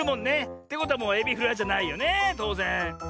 ってことはもうエビフライじゃないよねとうぜん。